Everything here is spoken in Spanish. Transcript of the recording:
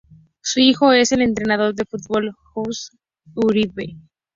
Su hijo es el entrenador de fútbol Josu Uribe.